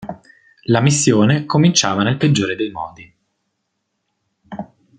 La missione cominciava nel peggiore dei modi.